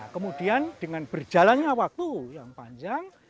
kemudian dengan berjalannya waktu yang panjang